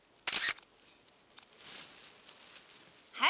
はい。